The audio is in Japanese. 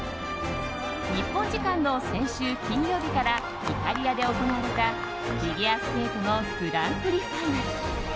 日本時間の先週金曜日からイタリアで行われたフィギュアスケートのグランプリファイナル。